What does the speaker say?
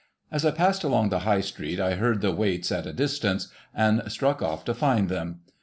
As I passed along the High street, I heard the Waits at a distance, and struck off to find them.